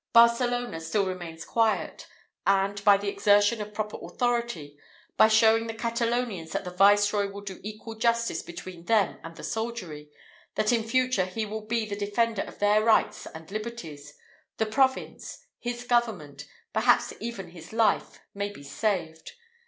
Barcelona still remains quiet; and, by the exertion of proper authority by showing the Catalonians that the viceroy will do equal justice between them and the soldiery, that in future he will be the defender of their rights and liberties the province his government perhaps even his life, may be saved.